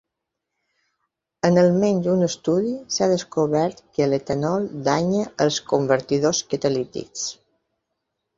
En almenys un estudi, s'ha descobert que l'etanol danya els convertidors catalítics.